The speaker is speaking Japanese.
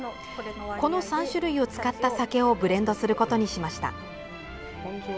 この３種類を使った酒をブレンドすることにしました。